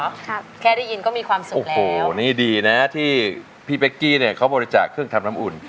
ครับแค่ได้ยินก็มีความสุขแล้วโอ้โหนี่ดีนะที่พี่เป๊กกี้เนี่ยเขาบริจาคเครื่องทำน้ำอุ่น